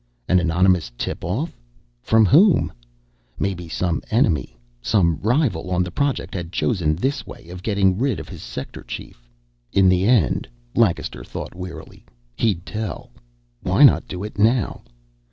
An anonymous tip off from whom? Maybe some enemy, some rival on the Project, had chosen this way of getting rid of his sector chief. In the end, Lancaster thought wearily, he'd tell. Why not do it now?